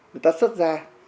người ta xuất ra